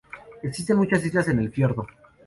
Existen muchas islas en el fiordo.